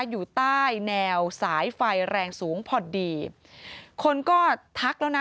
อยู่ใต้แนวสายไฟแรงสูงพอดีคนก็ทักแล้วนะ